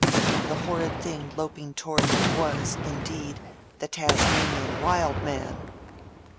The horrid thing loping toward him was, indeed, the Tasmanian Wild Man!